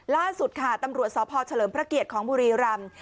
ล่าสุดค่ะตำรวจสพเฉลิมพระเกียรติของบุรีรำ